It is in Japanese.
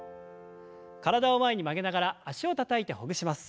体を前に曲げながら脚をたたいてほぐします。